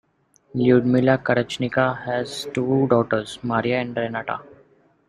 Lyudmila Karachkina has two daughters, Maria and Renata.